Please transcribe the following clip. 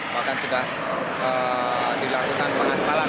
bahkan sudah dilakukan pengasalan